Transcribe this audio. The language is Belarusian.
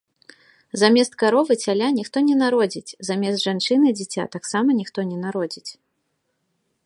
Замест каровы цяля ніхто не народзіць, замест жанчыны дзіця таксама ніхто не народзіць.